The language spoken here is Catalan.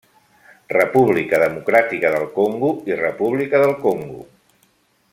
República Democràtica del Congo i República del Congo.